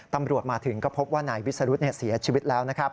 ตำรวจมาถึงก็พบว่านายวิสรุธเสียชีวิตแล้วนะครับ